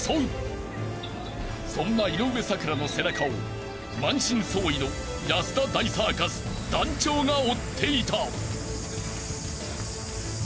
［そんな井上咲楽の背中を満身創痍の安田大サーカス団長が追っていた］